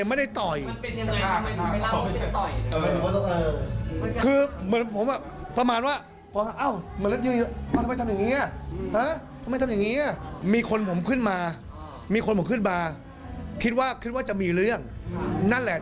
มันเหมือนผมแบบประมาณว่าไหมทำอย่างงี้มีคนผมขึ้นมามีคนมั้งขึ้นมาคิดว่าคิดว่าจะมีเรื่องนั่นแหละ